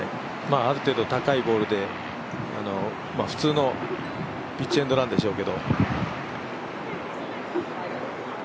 ある程度高いボールで普通のピッチエンドランでしょうけど。